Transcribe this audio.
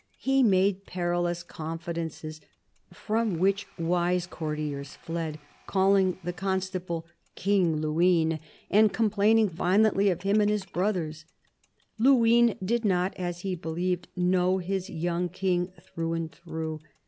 He made perilous confidences, from which wise courtiers fled, calling the Constable "King Luynes," and complaining violently of him and his brothers. Luynes did not, as he believed, know his young King through and through.